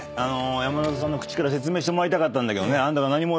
山里さんの口から説明してもらいたかったんだけどね。